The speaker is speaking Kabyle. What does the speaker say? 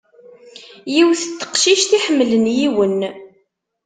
Yiwet n teqcict iḥemmlen yiwen.